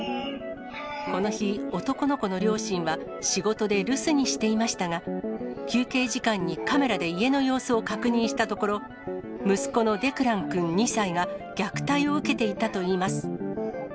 この日、男の子の両親は仕事で留守にしていましたが、休憩時間にカメラで家の様子を確認したところ、息子のデクランくん２歳が、虐待を受けていたといいます。